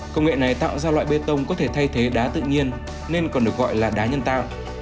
công nghệ này tạo ra loại bê tông có thể thay thế đá tự nhiên nên còn được gọi là đá nhân tạo